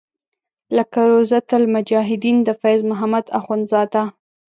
لکه روضة المجاهدین د فیض محمد اخونزاده.